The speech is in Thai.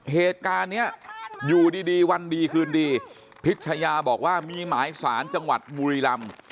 เหตุการณ์นี้อยู่ดีวันดีคืนดีพิชยาบอกว่ามีหมายสารจังหวัดบุรีรำ